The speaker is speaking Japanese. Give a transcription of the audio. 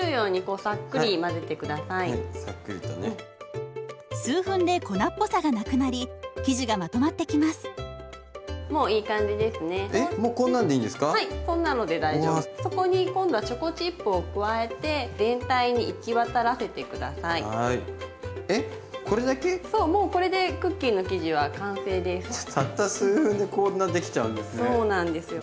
たった数分でこんなできちゃうんですね。